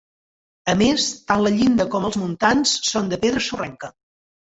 A més tant la llinda com els muntants són de pedra sorrenca.